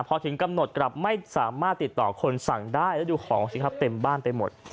พอถึงกำหนดกลับไม่สามารถติดต่อคนสั่งได้แล้วดูของสิครับเต็มบ้านไปหมด